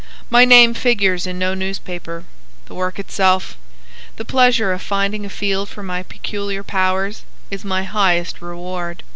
My name figures in no newspaper. The work itself, the pleasure of finding a field for my peculiar powers, is my highest reward.